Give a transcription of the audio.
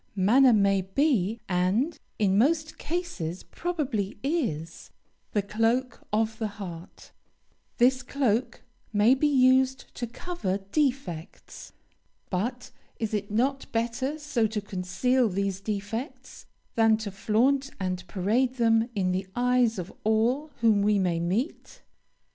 Manner may be, and, in most cases, probably is, the cloak of the heart; this cloak may be used to cover defects, but is it not better so to conceal these defects, than to flaunt and parade them in the eyes of all whom we may meet?